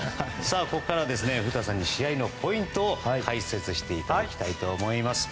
ここからは古田さんに試合のポイントを解説していただきたいと思います。